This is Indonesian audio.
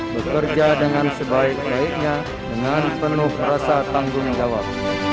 bekerja dengan sebaik baiknya dengan penuh rasa tanggung jawab